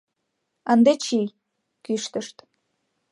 «Ынде чий! — кӱштышт.